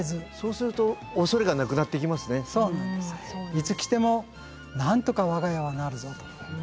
いつ来てもなんとか我が家はなるぞと。